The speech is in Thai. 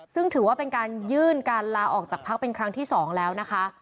ซึ่งถือว่าเป็นการยื่นการลาออกจากพักเป็นครั้งที่๒แล้วนะคะ